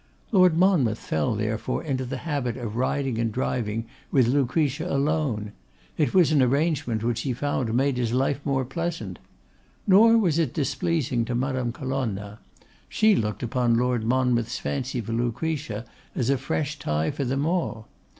Lord Monmouth fell therefore into the habit of riding and driving with Lucretia alone. It was an arrangement which he found made his life more pleasant. Nor was it displeasing to Madame Colonna. She looked upon Lord Monmouth's fancy for Lucretia as a fresh tie for them all.